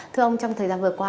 thưa ông trong thời gian vừa qua